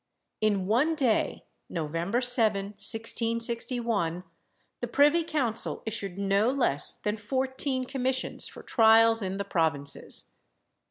In one day (November 7, 1661), the privy council issued no less than fourteen commissions for trials in the provinces.